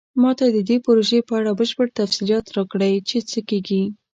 ما ته د دې پروژې په اړه بشپړ تفصیلات راکړئ چې څه کیږي